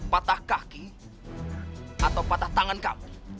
patah kaki atau patah tangan kami